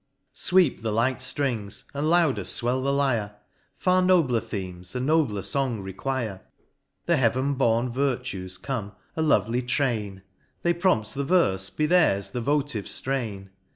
Sweep the light ftrings, and louder fwell the Lyre ! Far nobler Themes a nobler fong require. — The Heav'n born Virtues come, — a lovely train ; They prompt the verfe, — be theirs the votive ftrain.